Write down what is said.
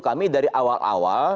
kami dari awal awal